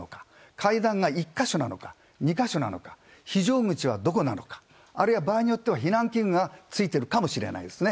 階段が１か所なのか２か所なのか非常口はどこなのかあるいは、場合によっては避難器具がついているかもしれないですね。